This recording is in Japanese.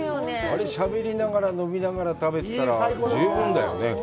あれ、しゃべりながら飲みながら食べてたら十分だよね。